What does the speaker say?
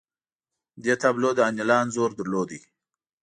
دې تابلو د انیلا انځور درلود